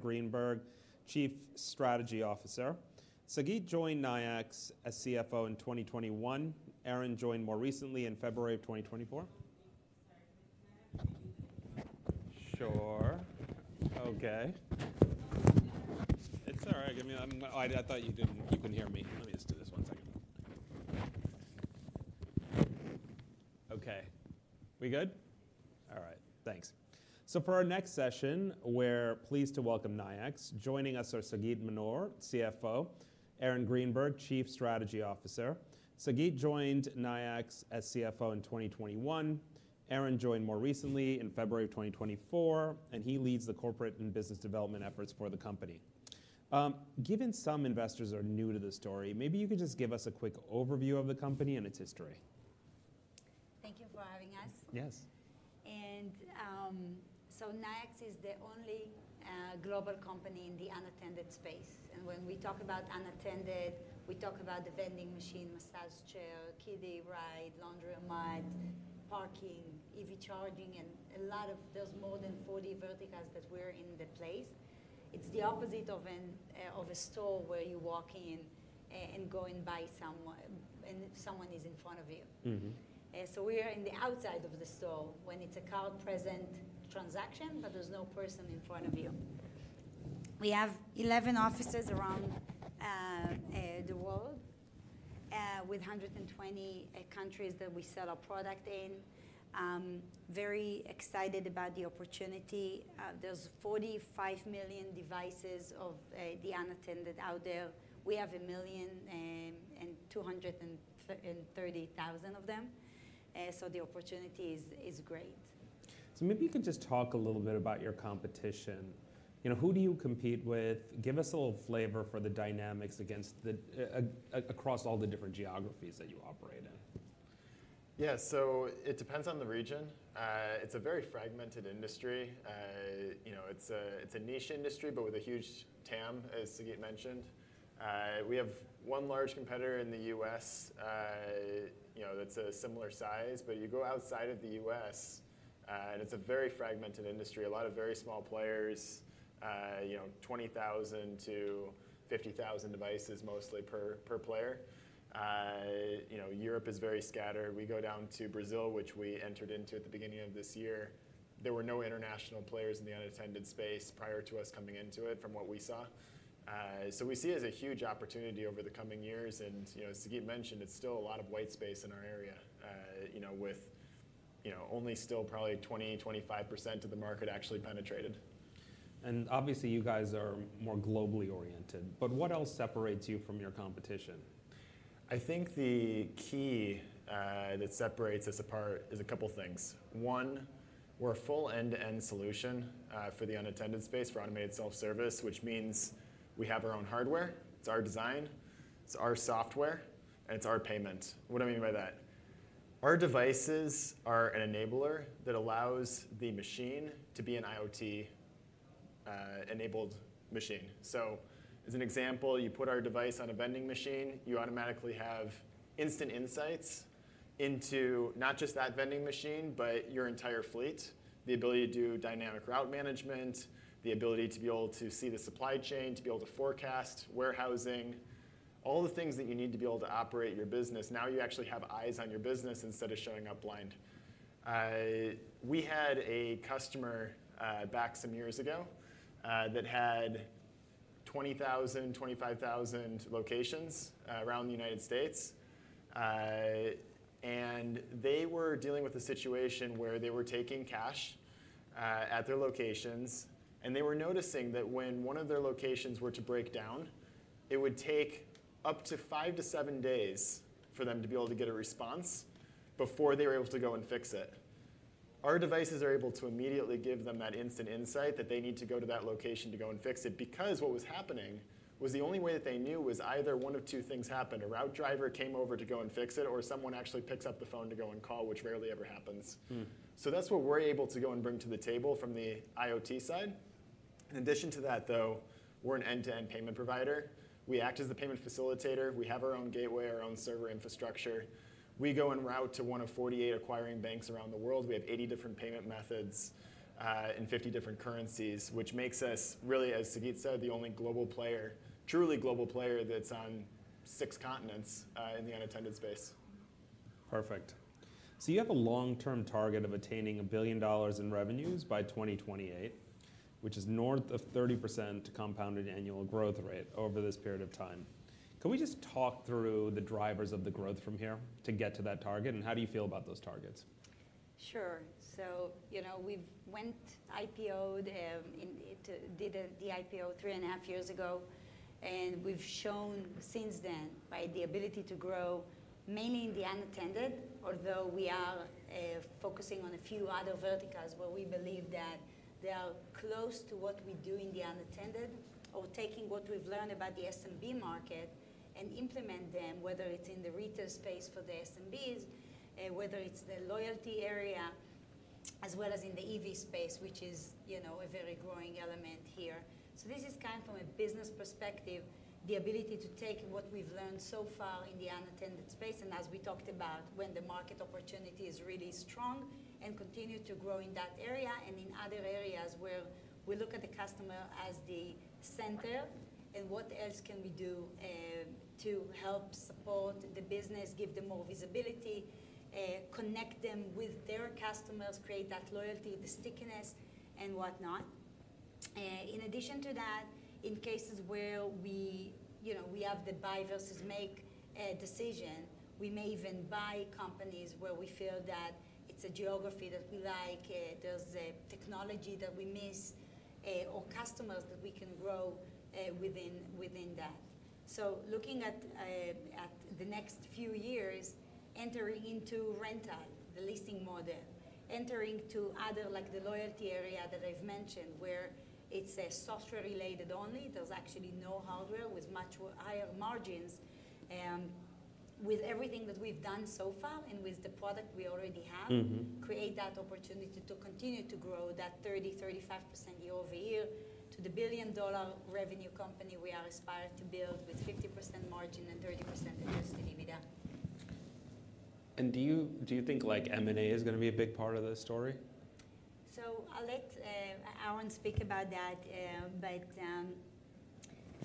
Aaron Greenberg, Chief Strategy Officer. Sagit joined Nayax as CFO in 2021. Aaron joined more recently in February of 2024. Sure. Okay. It's all right. I thought you couldn't hear me. Let me just do this one second. Okay. We good? All right. Thanks. So for our next session, we're pleased to welcome Nayax. Joining us are Sagit Manor, CFO. Aaron Greenberg, Chief Strategy Officer. Sagit joined Nayax as CFO in 2021. Aaron joined more recently in February of 2024, and he leads the corporate and business development efforts for the company. Given some investors are new to the story, maybe you could just give us a quick overview of the company and its history. Thank you for having us. Yes. And so Nayax is the only global company in the unattended space. And when we talk about unattended, we talk about the vending machine, massage chair, kiddie ride, laundromat, parking, EV charging, and a lot of those more than 40 verticals that we're in this space. It's the opposite of a store where you walk in and go and buy something if someone is in front of you. So we are on the outside of the store when it's a card-present transaction, but there's no person in front of you. We have 11 offices around the world with 120 countries that we sell our product in. Very excited about the opportunity. There are 45 million devices in the unattended out there. We have 1 million and 230,000 of them. So the opportunity is great. So maybe you could just talk a little bit about your competition. Who do you compete with? Give us a little flavor for the dynamics across all the different geographies that you operate in. Yeah. So it depends on the region. It's a very fragmented industry. It's a niche industry, but with a huge TAM, as Sagit mentioned. We have one large competitor in the U.S. that's a similar size. But you go outside of the U.S., and it's a very fragmented industry. A lot of very small players, 20,000-50,000 devices mostly per player. Europe is very scattered. We go down to Brazil, which we entered into at the beginning of this year. There were no international players in the unattended space prior to us coming into it, from what we saw. So we see it as a huge opportunity over the coming years. And as Sagit mentioned, it's still a lot of white space in our area with only still probably 20%, 25% of the market actually penetrated. Obviously, you guys are more globally oriented, but what else separates you from your competition? I think the key that separates us apart is a couple of things. One, we're a full end-to-end solution for the unattended space for automated self-service, which means we have our own hardware. It's our design. It's our software. And it's our payment. What do I mean by that? Our devices are an enabler that allows the machine to be an IoT-enabled machine. So as an example, you put our device on a vending machine, you automatically have instant insights into not just that vending machine, but your entire fleet, the ability to do dynamic route management, the ability to be able to see the supply chain, to be able to forecast, warehousing, all the things that you need to be able to operate your business. Now you actually have eyes on your business instead of showing up blind. We had a customer back some years ago that had 20,000, 25,000 locations around the United States, and they were dealing with a situation where they were taking cash at their locations, and they were noticing that when one of their locations were to break down, it would take up to five to seven days for them to be able to get a response before they were able to go and fix it. Our devices are able to immediately give them that instant insight that they need to go to that location to go and fix it because what was happening was the only way that they knew was either one of two things happened. A route driver came over to go and fix it, or someone actually picks up the phone to go and call, which rarely ever happens. That's what we're able to go and bring to the table from the IoT side. In addition to that, though, we're an end-to-end payment provider. We act as the payment facilitator. We have our own gateway, our own server infrastructure. We go and route to one of 48 acquiring banks around the world. We have 80 different payment methods in 50 different currencies, which makes us, really, as Sagit said, the only global player, truly global player that's on six continents in the unattended space. Perfect. So you have a long-term target of attaining $1 billion in revenues by 2028, which is north of 30% compounded annual growth rate over this period of time. Can we just talk through the drivers of the growth from here to get to that target? And how do you feel about those targets? Sure. So we went IPO, did the IPO three and a half years ago. And we've shown since then by the ability to grow mainly in the unattended, although we are focusing on a few other verticals where we believe that they are close to what we do in the unattended, or taking what we've learned about the SMB market and implement them, whether it's in the retail space for the SMBs, whether it's the loyalty area, as well as in the EV space, which is a very growing element here. So this is kind of from a business perspective, the ability to take what we've learned so far in the unattended space. And as we talked about, when the market opportunity is really strong and continue to grow in that area and in other areas where we look at the customer as the center, and what else can we do to help support the business, give them more visibility, connect them with their customers, create that loyalty, the stickiness, and whatnot. In addition to that, in cases where we have the buy versus make decision, we may even buy companies where we feel that it's a geography that we like, there's a technology that we miss, or customers that we can grow within that. So looking at the next few years, entering into rental, the leasing model, entering to other, like the loyalty area that I've mentioned, where it's software-related only. There's actually no hardware with much higher margins. With everything that we've done so far and with the product we already have, create that opportunity to continue to grow that 30%-35% year over year to the billion-dollar revenue company we are aspiring to build with 50% margin and 30% Adjusted EBITDA. Do you think M&A is going to be a big part of this story? So I'll let Aaron speak about that.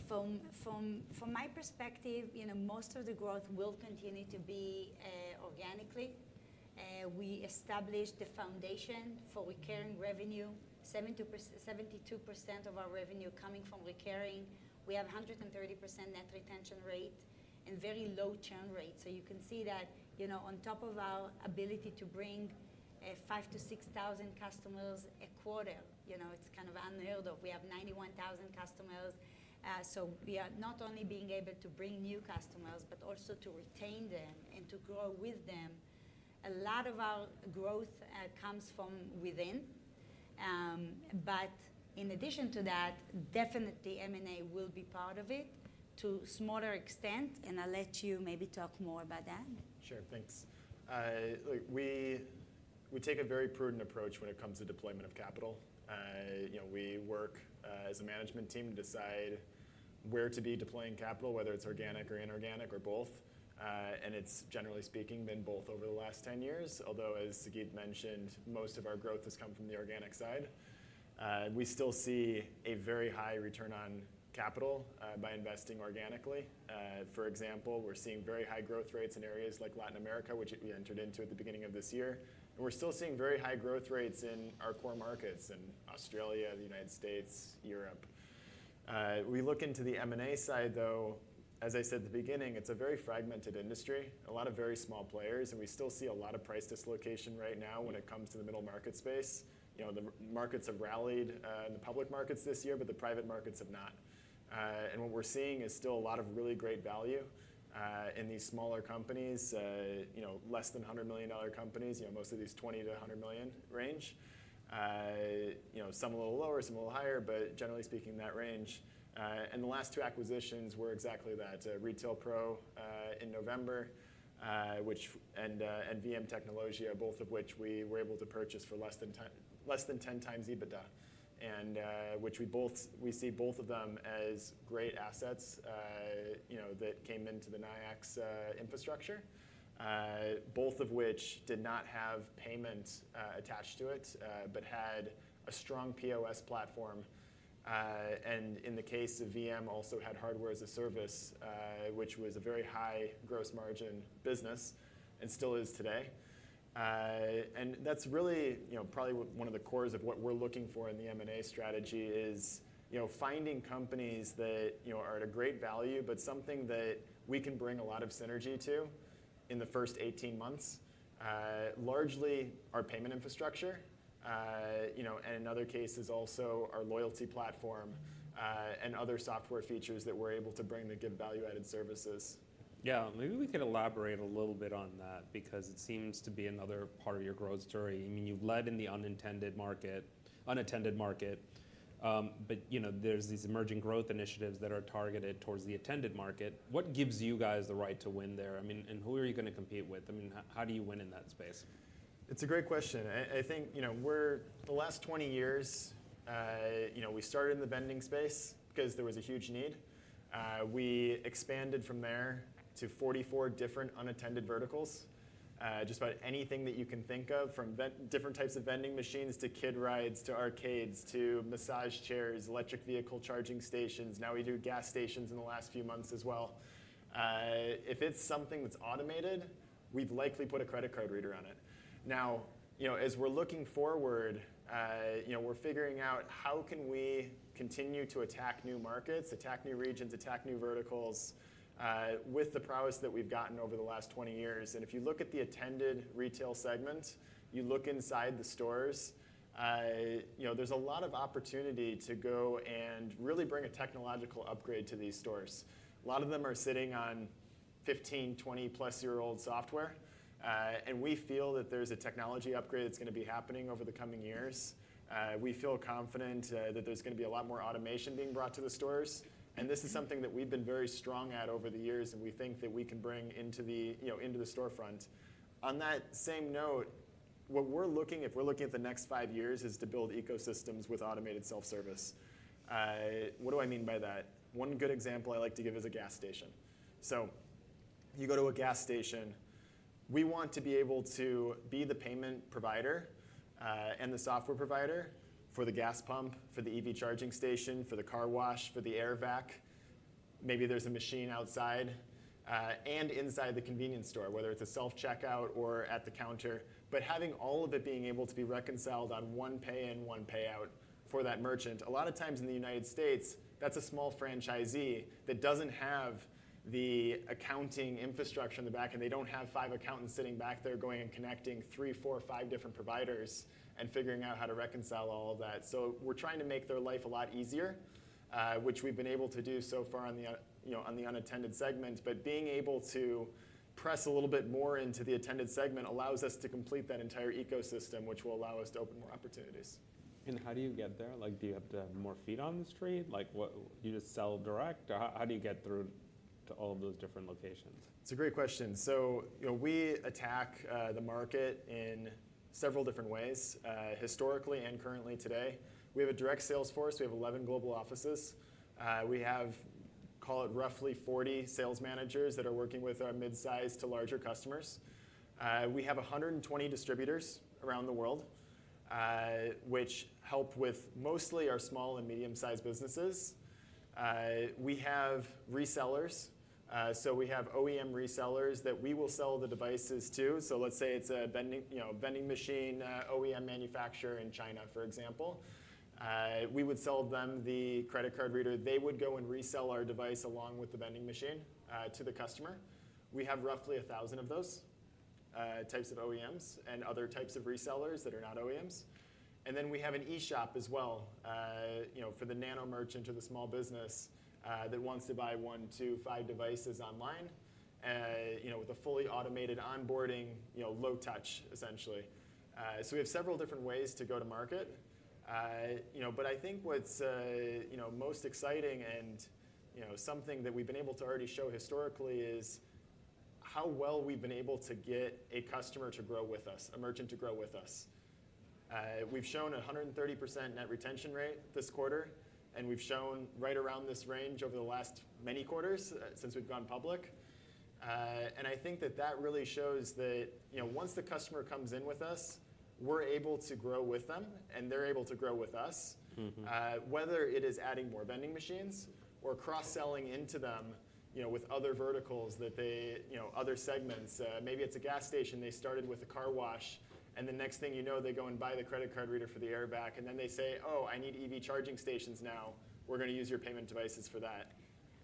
But from my perspective, most of the growth will continue to be organically. We established the foundation for recurring revenue, 72% of our revenue coming from recurring. We have 130% net retention rate and very low churn rate. So you can see that on top of our ability to bring 5,000-6,000 customers a quarter, it's kind of unheard of. We have 91,000 customers. So we are not only being able to bring new customers, but also to retain them and to grow with them. A lot of our growth comes from within. But in addition to that, definitely M&A will be part of it to a smaller extent. And I'll let you maybe talk more about that. Sure. Thanks. We take a very prudent approach when it comes to deployment of capital. We work as a management team to decide where to be deploying capital, whether it's organic or inorganic or both. And it's generally speaking been both over the last 10 years. Although, as Sagit mentioned, most of our growth has come from the organic side. We still see a very high return on capital by investing organically. For example, we're seeing very high growth rates in areas like Latin America, which we entered into at the beginning of this year. And we're still seeing very high growth rates in our core markets in Australia, the United States, Europe. We look into the M&A side, though, as I said at the beginning, it's a very fragmented industry, a lot of very small players. And we still see a lot of price dislocation right now when it comes to the middle market space. The markets have rallied in the public markets this year, but the private markets have not. And what we're seeing is still a lot of really great value in these smaller companies, less than $100 million companies, mostly these $20-$100 million range. Some a little lower, some a little higher, but generally speaking, that range. And the last two acquisitions were exactly that, Retail Pro in November and VM Tecnologia, both of which we were able to purchase for less than 10 times EBITDA, and which we see both of them as great assets that came into the Nayax infrastructure, both of which did not have payment attached to it, but had a strong POS platform. In the case of VM, also had hardware as a service, which was a very high gross margin business and still is today. That's really probably one of the cores of what we're looking for in the M&A strategy is finding companies that are at a great value, but something that we can bring a lot of synergy to in the first 18 months, largely our payment infrastructure. In other cases, also our loyalty platform and other software features that we're able to bring that give value-added services. Yeah. Maybe we could elaborate a little bit on that because it seems to be another part of your growth story. I mean, you've led in the unattended market, but there's these emerging growth initiatives that are targeted towards the attended market. What gives you guys the right to win there? And who are you going to compete with? I mean, how do you win in that space? It's a great question. I think the last 20 years, we started in the vending space because there was a huge need. We expanded from there to 44 different unattended verticals, just about anything that you can think of, from different types of vending machines to kiddie rides to arcades to massage chairs, electric vehicle charging stations. Now we do gas stations in the last few months as well. If it's something that's automated, we've likely put a credit card reader on it. Now, as we're looking forward, we're figuring out how can we continue to attack new markets, attack new regions, attack new verticals with the prowess that we've gotten over the last 20 years. If you look at the attended retail segment, you look inside the stores, there's a lot of opportunity to go and really bring a technological upgrade to these stores. A lot of them are sitting on 15, 20-plus-year-old software, and we feel that there's a technology upgrade that's going to be happening over the coming years. We feel confident that there's going to be a lot more automation being brought to the stores, and this is something that we've been very strong at over the years, and we think that we can bring into the storefront. On that same note, what we're looking at, if we're looking at the next five years, is to build ecosystems with automated self-service. What do I mean by that? One good example I like to give is a gas station, so you go to a gas station. We want to be able to be the payment provider and the software provider for the gas pump, for the EV charging station, for the car wash, for the air vac. Maybe there's a machine outside and inside the convenience store, whether it's a self-checkout or at the counter. But having all of it being able to be reconciled on one pay-in, one pay-out for that merchant. A lot of times in the United States, that's a small franchisee that doesn't have the accounting infrastructure in the back, and they don't have five accountants sitting back there going and connecting three, four, five different providers and figuring out how to reconcile all of that. So we're trying to make their life a lot easier, which we've been able to do so far on the unattended segment. But being able to press a little bit more into the attended segment allows us to complete that entire ecosystem, which will allow us to open more opportunities. And how do you get there? Do you have to have more feet on the street? Do you just sell direct? How do you get through to all of those different locations? It's a great question. So we attack the market in several different ways, historically and currently today. We have a direct sales force. We have 11 global offices. We have, call it roughly 40 sales managers that are working with our mid-size to larger customers. We have 120 distributors around the world, which help with mostly our small and medium-sized businesses. We have resellers. So we have OEM resellers that we will sell the devices to. So let's say it's a vending machine OEM manufacturer in China, for example. We would sell them the credit card reader. They would go and resell our device along with the vending machine to the customer. We have roughly 1,000 of those types of OEMs and other types of resellers that are not OEMs. And then we have an e-shop as well for the nano merchant, to the small business that wants to buy one, two, five devices online with a fully automated onboarding, low touch, essentially. So we have several different ways to go to market. But I think what's most exciting and something that we've been able to already show historically is how well we've been able to get a customer to grow with us, a merchant to grow with us. We've shown a 130% net retention rate this quarter, and we've shown right around this range over the last many quarters since we've gone public. And I think that that really shows that once the customer comes in with us, we're able to grow with them, and they're able to grow with us, whether it is adding more vending machines or cross-selling into them with other verticals that they other segments. Maybe it's a gas station. They started with a car wash, and the next thing you know, they go and buy the credit card reader for the air vac, and then they say, "Oh, I need EV charging stations now. We're going to use your payment devices for that.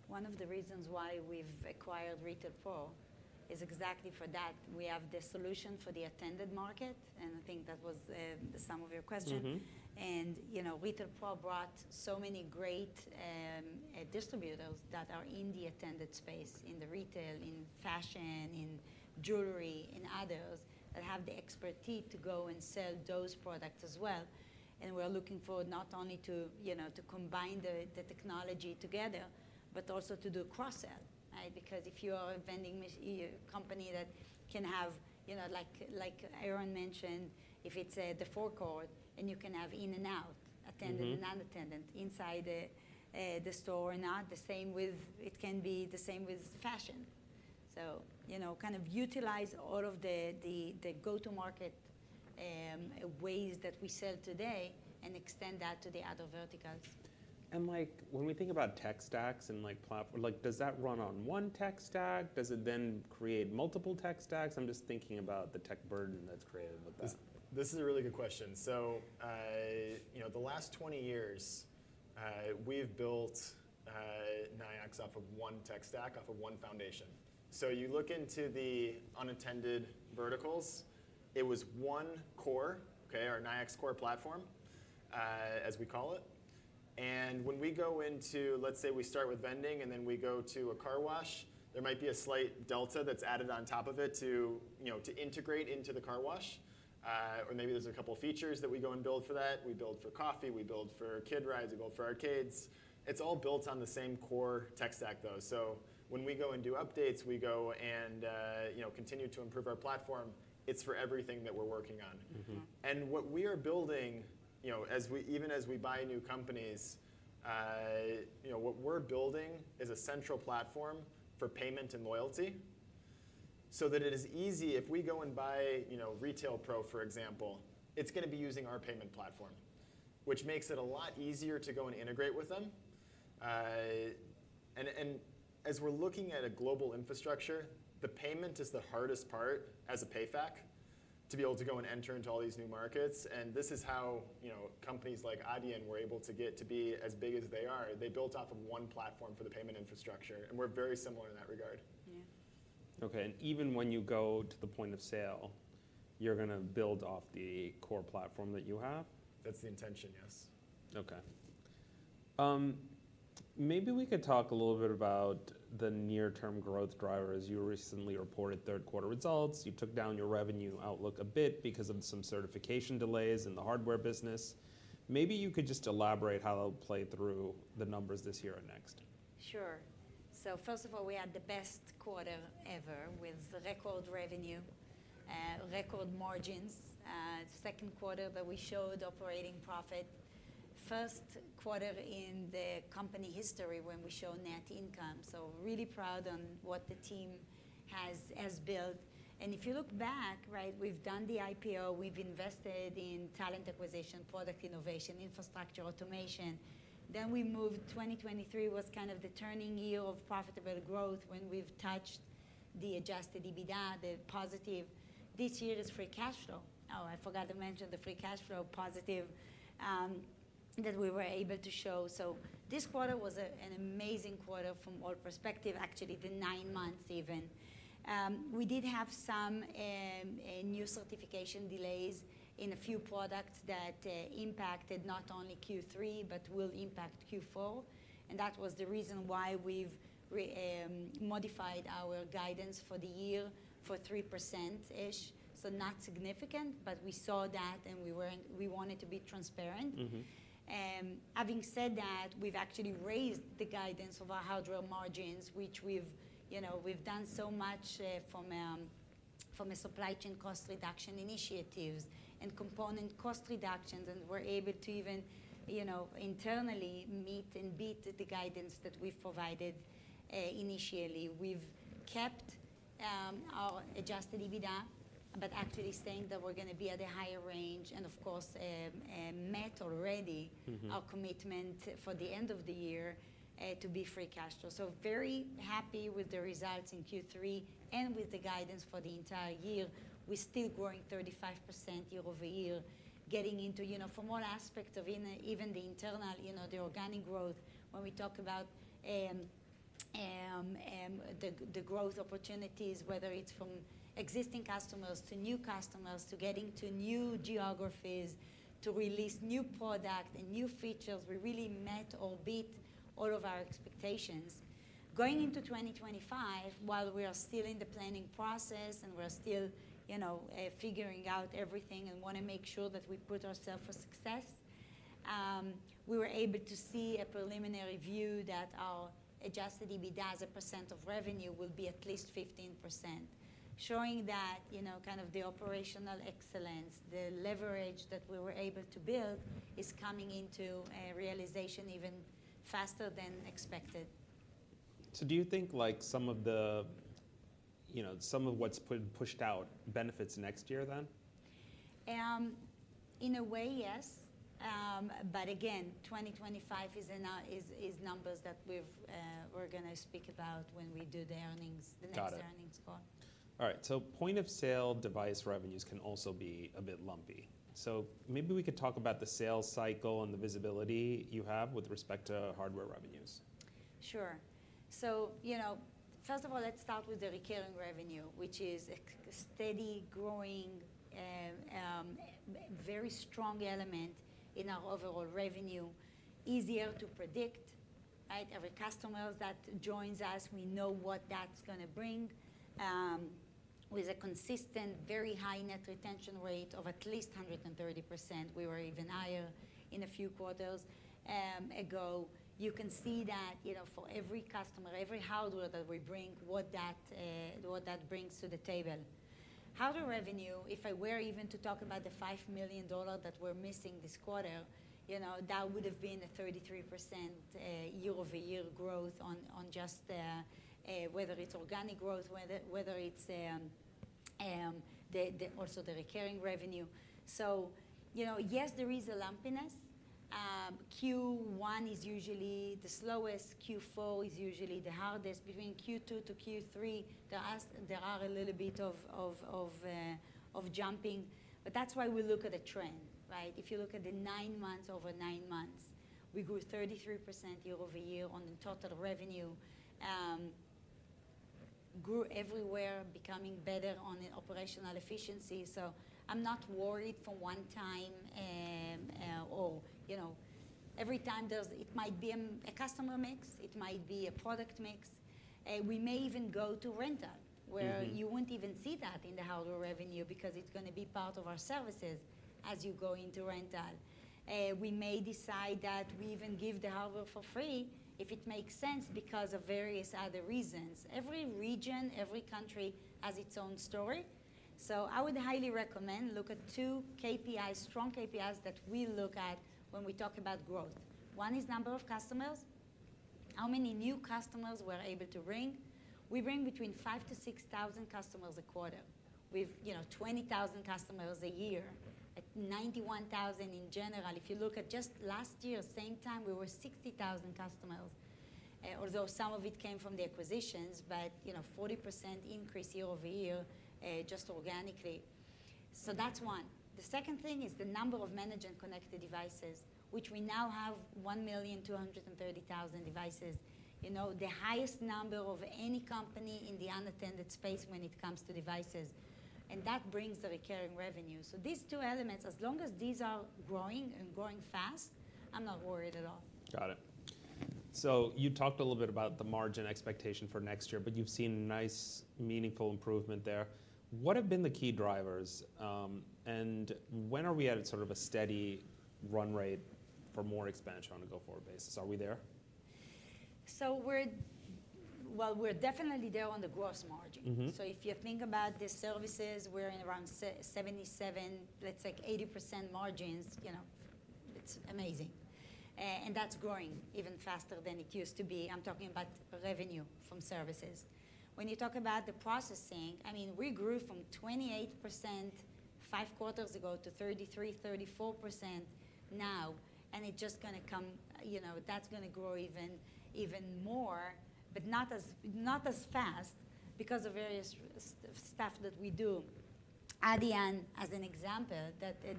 One of the reasons why we've acquired Retail Pro is exactly for that. We have the solution for the attended market, and I think that was the sum of your question, and Retail Pro brought so many great distributors that are in the attended space, in the retail, in fashion, in jewelry, in others that have the expertise to go and sell those products as well, and we're looking forward not only to combine the technology together, but also to do cross-sell. Because if you are a vending machine company that can have, like Aaron mentioned, if it's the forecourt, and you can have in and out, attended and unattended inside the store or not, it can be the same with fashion, so kind of utilize all of the go-to-market ways that we sell today and extend that to the other verticals. When we think about tech stacks and platforms, does that run on one tech stack? Does it then create multiple tech stacks? I'm just thinking about the tech burden that's created with that. This is a really good question, so the last 20 years, we've built Nayax off of one tech stack, off of one foundation, so you look into the unattended verticals, it was one core, our Nayax Core Platform, as we call it, and when we go into, let's say we start with vending and then we go to a car wash, there might be a slight delta that's added on top of it to integrate into the car wash, or maybe there's a couple of features that we go and build for that. We build for coffee. We build for kiddie rides. We build for arcades. It's all built on the same core tech stack, though, so when we go and do updates, we go and continue to improve our platform, it's for everything that we're working on. And what we are building, even as we buy new companies, what we're building is a central platform for payment and loyalty so that it is easy. If we go and buy Retail Pro, for example, it's going to be using our payment platform, which makes it a lot easier to go and integrate with them. And as we're looking at a global infrastructure, the payment is the hardest part as a PayFac to be able to go and enter into all these new markets. And this is how companies like Adyen were able to get to be as big as they are. They built off of one platform for the payment infrastructure. And we're very similar in that regard. Yeah. OK. And even when you go to the point of sale, you're going to build off the core platform that you have? That's the intention, yes. OK. Maybe we could talk a little bit about the near-term growth drivers. You recently reported third-quarter results. You took down your revenue outlook a bit because of some certification delays in the hardware business. Maybe you could just elaborate how that will play through the numbers this year and next. Sure, so first of all, we had the best quarter ever with record revenue, record margins, the second quarter that we showed operating profit, the first quarter in the company history when we show net income, so really proud on what the team has built, and if you look back, we've done the IPO. We've invested in talent acquisition, product innovation, infrastructure, automation, then 2023 was kind of the turning year of profitable growth when we've touched the adjusted EBITDA, the positive, this year is free cash flow. Oh, I forgot to mention the free cash flow positive that we were able to show, so this quarter was an amazing quarter from all perspective, actually the nine months even. We did have some new certification delays in a few products that impacted not only Q3, but will impact Q4. And that was the reason why we've modified our guidance for the year for 3%-ish. So not significant, but we saw that and we wanted to be transparent. Having said that, we've actually raised the guidance of our hardware margins, which we've done so much from a supply chain cost reduction initiatives and component cost reductions. And we're able to even internally meet and beat the guidance that we've provided initially. We've kept our adjusted EBITDA, but actually saying that we're going to be at a higher range. And of course, met already our commitment for the end of the year to be free cash flow. So very happy with the results in Q3 and with the guidance for the entire year. We're still growing 35% year over year, getting into from all aspects of even the internal, the organic growth. When we talk about the growth opportunities, whether it's from existing customers to new customers, to getting to new geographies, to release new products and new features, we really met or beat all of our expectations. Going into 2025, while we are still in the planning process and we're still figuring out everything and want to make sure that we put ourselves for success, we were able to see a preliminary view that our adjusted EBITDA as a percent of revenue will be at least 15%, showing that kind of the operational excellence, the leverage that we were able to build is coming into realization even faster than expected. So do you think some of what's been pushed out benefits next year then? In a way, yes. But again, 2025 is numbers that we're going to speak about when we do the earnings, the next earnings call. Got it. All right. So point of sale device revenues can also be a bit lumpy. So maybe we could talk about the sales cycle and the visibility you have with respect to hardware revenues. Sure. So first of all, let's start with the recurring revenue, which is a steady, growing, very strong element in our overall revenue, easier to predict. Every customer that joins us, we know what that's going to bring. With a consistent, very high net retention rate of at least 130%, we were even higher in a few quarters ago. You can see that for every customer, every hardware that we bring, what that brings to the table. Hardware revenue, if I were even to talk about the $5 million that we're missing this quarter, that would have been a 33% year-over-year growth on just whether it's organic growth, whether it's also the recurring revenue. So yes, there is a lumpiness. Q1 is usually the slowest. Q4 is usually the hardest. Between Q2 to Q3, there are a little bit of jumping. But that's why we look at a trend. If you look at the nine months, over nine months, we grew 33% year-over-year on the total revenue. Grew everywhere, becoming better on operational efficiency, so I'm not worried for one time or every time it might be a customer mix. It might be a product mix. We may even go to rental, where you wouldn't even see that in the hardware revenue because it's going to be part of our services as you go into rental. We may decide that we even give the hardware for free if it makes sense because of various other reasons. Every region, every country has its own story, so I would highly recommend look at two KPIs, strong KPIs that we look at when we talk about growth. One is number of customers, how many new customers we're able to bring. We bring between 5,000 to 6,000 customers a quarter. We have 20,000 customers a year, 91,000 in general. If you look at just last year, same time, we were 60,000 customers, although some of it came from the acquisitions, but 40% increase year-over-year just organically. So that's one. The second thing is the number of managed and connected devices, which we now have 1,230,000 devices, the highest number of any company in the unattended space when it comes to devices, and that brings the recurring revenue, so these two elements, as long as these are growing and growing fast, I'm not worried at all. Got it. So you talked a little bit about the margin expectation for next year, but you've seen nice, meaningful improvement there. What have been the key drivers? And when are we at sort of a steady run rate for more expansion on a go-forward basis? Are we there? So well, we're definitely there on the gross margin. So if you think about the services, we're in around 77%, let's say 80% margins. It's amazing. And that's growing even faster than it used to be. I'm talking about revenue from services. When you talk about the processing, I mean, we grew from 28% five quarters ago to 33%, 34% now. And it's just going to come. That's going to grow even more, but not as fast because of various stuff that we do. Adyen, as an example,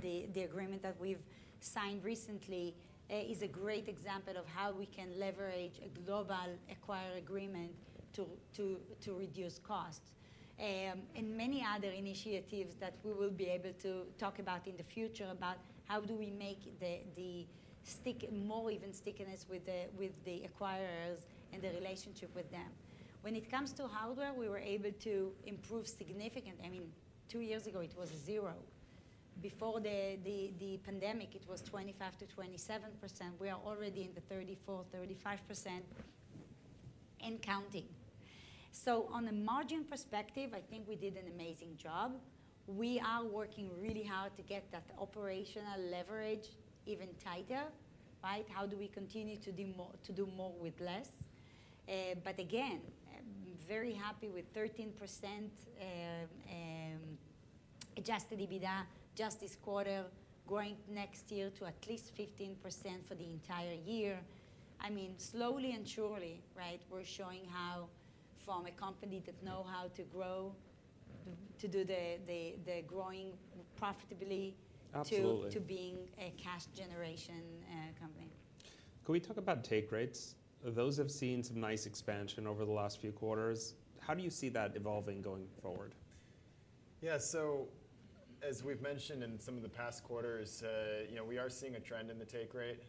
the agreement that we've signed recently is a great example of how we can leverage a global acquirer agreement to reduce costs. And many other initiatives that we will be able to talk about in the future about how do we make the more even stickiness with the acquirers and the relationship with them. When it comes to hardware, we were able to improve significantly. I mean, two years ago, it was zero. Before the pandemic, it was 25% to 27%. We are already in the 34%, 35%, and counting. So on a margin perspective, I think we did an amazing job. We are working really hard to get that operational leverage even tighter. How do we continue to do more with less? But again, very happy with 13% adjusted EBITDA just this quarter, growing next year to at least 15% for the entire year. I mean, slowly and surely, we're showing how from a company that knows how to grow, to do the growing profitably to being a cash generation company. Can we talk about take rates? Those have seen some nice expansion over the last few quarters. How do you see that evolving going forward? Yeah. So as we've mentioned in some of the past quarters, we are seeing a trend in the take rate.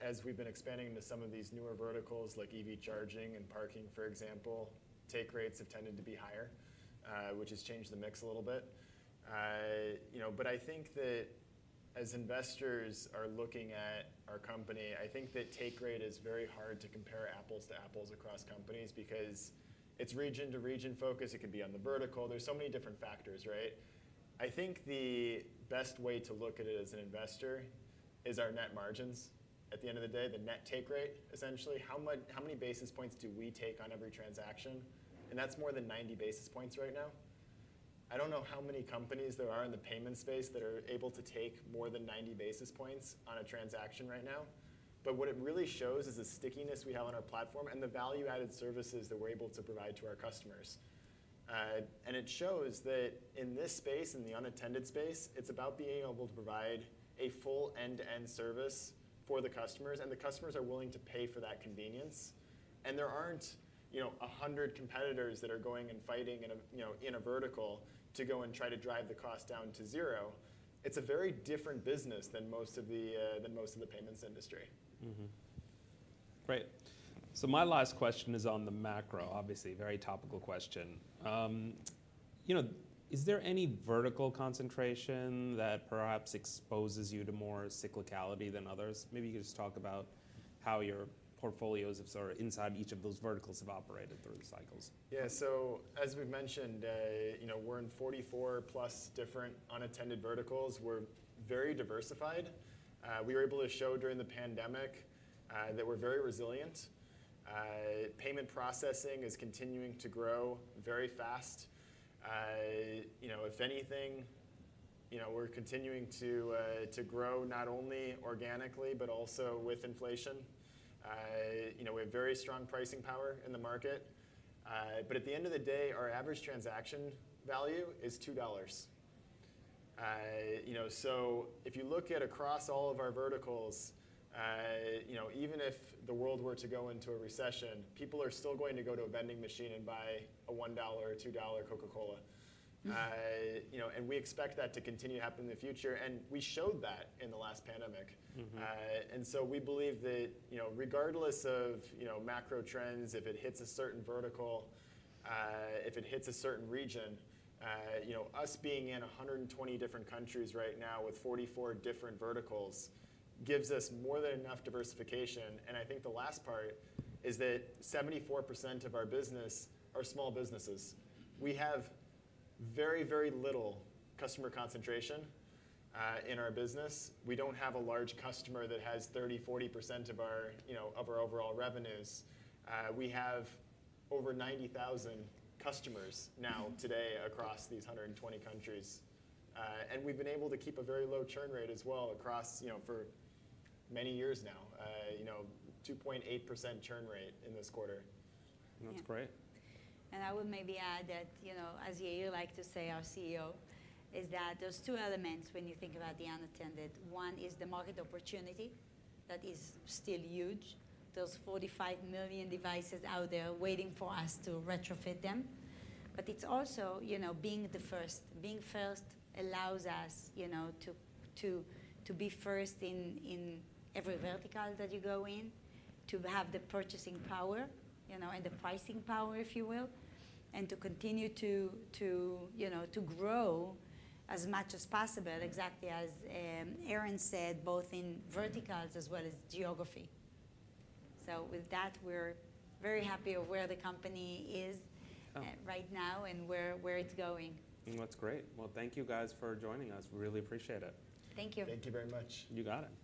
As we've been expanding into some of these newer verticals, like EV charging and parking, for example, take rates have tended to be higher, which has changed the mix a little bit. But I think that as investors are looking at our company, I think that take rate is very hard to compare apples to apples across companies because it's region-to-region focus. It could be on the vertical. There's so many different factors. I think the best way to look at it as an investor is our net margins at the end of the day, the net take rate, essentially. How many basis points do we take on every transaction? And that's more than 90 basis points right now. I don't know how many companies there are in the payment space that are able to take more than 90 basis points on a transaction right now. But what it really shows is the stickiness we have on our platform and the value-added services that we're able to provide to our customers. And it shows that in this space, in the unattended space, it's about being able to provide a full end-to-end service for the customers. And the customers are willing to pay for that convenience. And there aren't 100 competitors that are going and fighting in a vertical to go and try to drive the cost down to zero. It's a very different business than most of the payments industry. Great. So my last question is on the macro, obviously, very topical question. Is there any vertical concentration that perhaps exposes you to more cyclicality than others? Maybe you could just talk about how your portfolios inside each of those verticals have operated through the cycles. Yeah, so as we've mentioned, we're in 44-plus different unattended verticals. We're very diversified. We were able to show during the pandemic that we're very resilient. Payment processing is continuing to grow very fast. If anything, we're continuing to grow not only organically, but also with inflation. We have very strong pricing power in the market, but at the end of the day, our average transaction value is $2. So if you look at across all of our verticals, even if the world were to go into a recession, people are still going to go to a vending machine and buy a $1 or $2 Coca-Cola, and we expect that to continue to happen in the future. We showed that in the last pandemic. We believe that regardless of macro trends, if it hits a certain vertical, if it hits a certain region, us being in 120 different countries right now with 44 different verticals gives us more than enough diversification. I think the last part is that 74% of our business are small businesses. We have very, very little customer concentration in our business. We don't have a large customer that has 30%, 40% of our overall revenues. We have over 90,000 customers now today across these 120 countries. We've been able to keep a very low churn rate as well across for many years now, 2.8% churn rate in this quarter. That's great. And I would maybe add that, as you like to say, our CEO, is that there's two elements when you think about the unattended. One is the market opportunity that is still huge, those 45 million devices out there waiting for us to retrofit them. But it's also being first. Being first allows us to be first in every vertical that you go in, to have the purchasing power and the pricing power, if you will, and to continue to grow as much as possible, exactly as Aaron said, both in verticals as well as geography. So with that, we're very happy of where the company is right now and where it's going. That's great. Well, thank you guys for joining us. We really appreciate it. Thank you. Thank you very much. You got it.